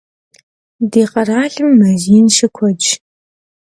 Di kheralım mez yin şıkuedş.